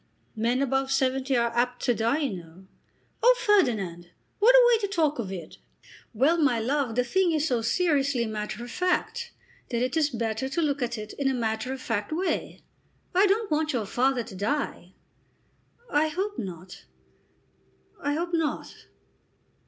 Men above seventy are apt to die, you know." "Oh, Ferdinand, what a way to talk of it!" "Well, my love, the thing is so seriously matter of fact, that it is better to look at it in a matter of fact way. I don't want your father to die." "I hope not. I hope not."